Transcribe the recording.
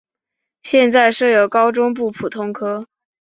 现在设有高中部普通科。